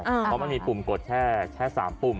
เพราะมันมีปุ่มกดแค่๓ปุ่ม